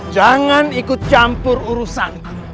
jangan ikut campur urusan